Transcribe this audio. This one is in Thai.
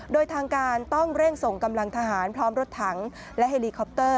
โดยทางการต้องเร่งส่งกำลังทหารพร้อมรถถังและเฮลีคอปเตอร์